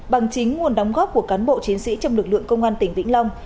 bằng chính nguồn đóng góp của cán bộ chiến sĩ trong lực lượng công an tỉnh vĩnh long